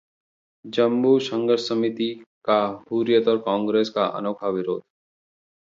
जम्मू- संघर्ष समिति का हुर्रियत और कांग्रेस का अनोखा विरोध